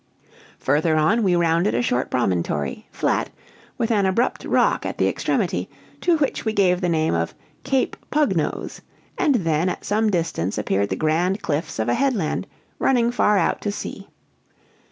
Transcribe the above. Further on we rounded a short promontory, flat, with an abrupt rock at the extremity, to which we gave the name of Cape Pug Nose; and then, at some distance, appeared the grand cliffs of a headland running far out to sea.